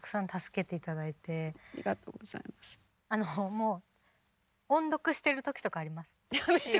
もう音読してる時とかあります詞を。